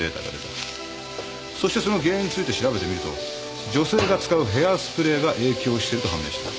そしてその原因について調べてみると女性が使うヘアスプレーが影響してると判明した。